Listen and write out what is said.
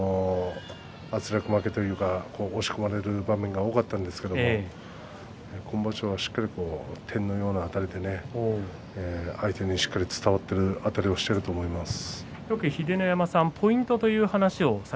圧力負けというか押し込まれる場面が多かったですけれども今場所はしっかり点のようなあたりで相手にしっかり伝わっていると思います。